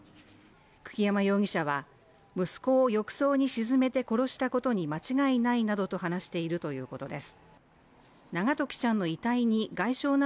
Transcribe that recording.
久木山容疑者は息子を浴槽に沈めて殺したことに間違いないなどと話しているということです